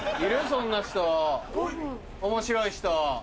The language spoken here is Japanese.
そんな人面白い人。